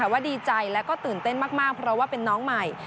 ว่าดีใจและก็ตื่นเต้นมากเพราะว่าเป็นน้องใหม่